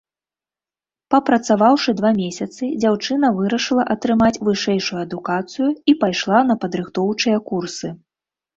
Папрацаваўшы два месяцы, дзяўчына вырашыла атрымаць вышэйшую адукацыю і пайшла на падрыхтоўчыя курсы.